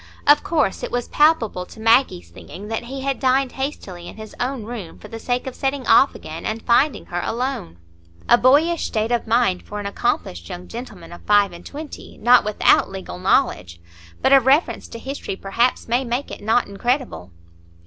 Of course it was palpable to Maggie's thinking that he had dined hastily in his own room for the sake of setting off again and finding her alone. A boyish state of mind for an accomplished young gentleman of five and twenty, not without legal knowledge! But a reference to history, perhaps, may make it not incredible.